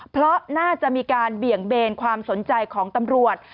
เพราะน่าจะมีการเบี่ยงเบนความสนใจของตำรวจ